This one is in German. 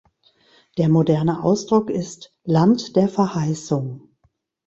Der moderne Ausdruck ist „Land der Verheißung“.